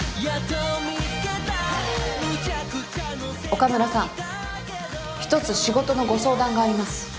岡村さん１つ仕事のご相談があります。